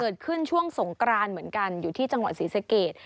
เกิดขึ้นช่วงสงกรานเหมือนกันอยู่ที่จังหวัดศรีสเกต